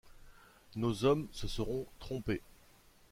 Nos hommes se seront trompés.